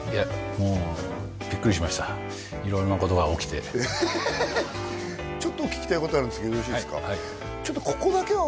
もうビックリしました色んなことが起きてちょっと聞きたいことあるんですけどよろしいですか？